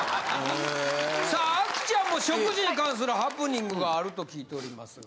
さあ亜紀ちゃんも食事に関するハプニングがあると聞いておりますが？